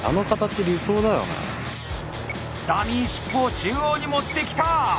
ダミーシップを中央に持ってきた！